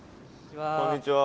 こんにちは。